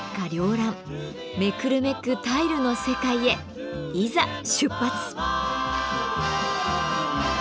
繚乱目くるめくタイルの世界へいざ出発！